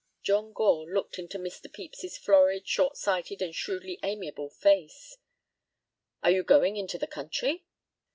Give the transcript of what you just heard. John Gore looked into Mr. Pepys's florid, short sighted, and shrewdly amiable face. "Are you going into the country?"